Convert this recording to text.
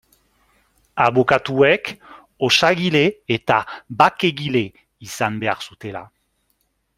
Abokatuek osagile eta bakegile izan behar zutela.